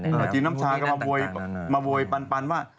จีนน้ำชาก็มาเววมาเววปันปันว่า